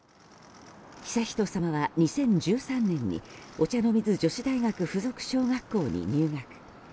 悠仁さまは２０１３年にお茶の水女子大附属小学校に入学。